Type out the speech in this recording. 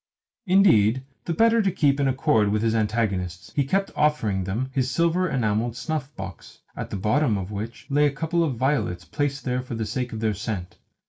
Indeed, the better to keep in accord with his antagonists, he kept offering them his silver enamelled snuff box (at the bottom of which lay a couple of violets, placed there for the sake of their scent).